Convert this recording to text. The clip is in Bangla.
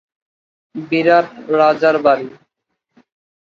বিরাট রাজার বাড়ি